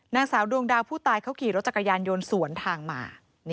นางสาวดวงดาวผู้ตายเขาขี่รถจักรยานยนต์สวนทางมา